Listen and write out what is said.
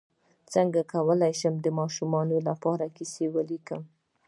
څنګه کولی شم د ماشومانو لپاره کیسه ولیکم